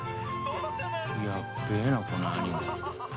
やっべえなこのアニメ。